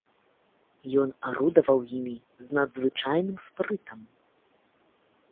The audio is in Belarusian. Ён арудаваў імі з надзвычайным спрытам.